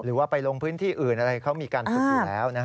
หรือว่าไปลงพื้นที่อื่นอะไรเขามีการฝึกอยู่แล้ว